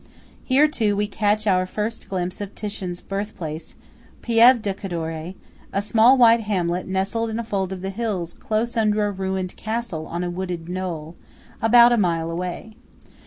Here, too, we catch our first glimpse of Titian's birthplace, Pieve di Cadore, a small white hamlet nestled in a fold of the hills close under a ruined castle on a wooded knoll, about a mile away.